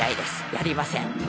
やりません。